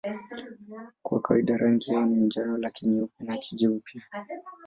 Kwa kawaida rangi yao ni njano lakini nyeupe na kijivu pia.